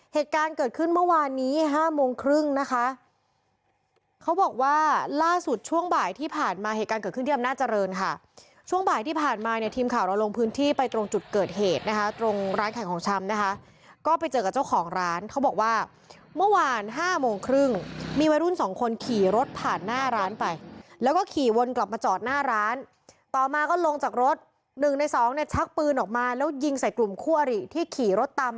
ห้าโมงครึ่งคุณผู้ชมลองดูภาพจากร่องวงจรปิด